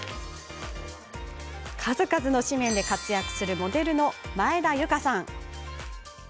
数々の紙面で活躍するモデルの前田ゆかさん。